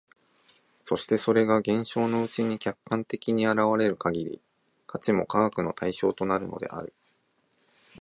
そしてそれが現象のうちに客観的に現れる限り、価値も科学の対象となるのである。